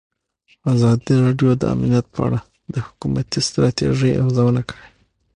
ازادي راډیو د امنیت په اړه د حکومتي ستراتیژۍ ارزونه کړې.